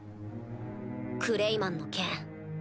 クレイマンの件。